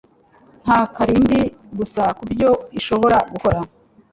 nta karimbi gusa kubyo ishobora gukora